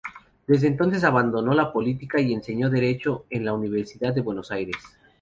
Desde entonces abandonó la política y enseñó derecho en la Universidad de Buenos Aires.